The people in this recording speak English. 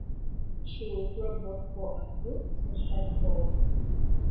He will throw both four and two-seam fastballs.